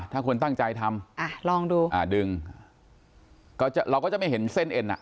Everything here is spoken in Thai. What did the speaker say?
ถ้าคนตั้งใจทำอ่ะลองดูอ่าดึงก็จะเราก็จะไม่เห็นเส้นเอ็นอ่ะ